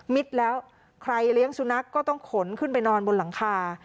แล้วใครเลี้ยงสุนัขก็ต้องขนขึ้นไปนอนบนหลังคา